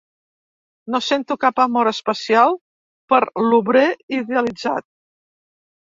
No sento cap amor especial per l'«obrer» idealitzat